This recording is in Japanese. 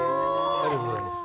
ありがとうございます。